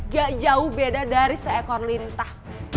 gak jauh beda dari seekor lintah